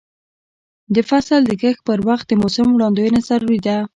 د فصل د کښت پر وخت د موسم وړاندوینه ضروري ده.